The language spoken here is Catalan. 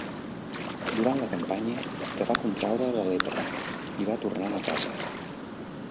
Durant la campanya que va contraure la lepra i va tornar a casa.